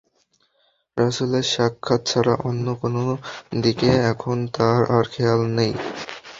রাসূলের সাক্ষাৎ ছাড়া অন্য কোন দিকে এখন আর তার খেয়াল নেই।